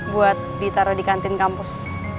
buat ditaruh di kantin kampus